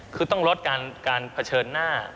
คือต้องลดการเผชิญหน้า